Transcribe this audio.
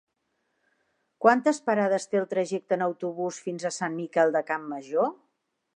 Quantes parades té el trajecte en autobús fins a Sant Miquel de Campmajor?